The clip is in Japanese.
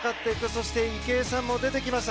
そして、池江さんも出てきますよ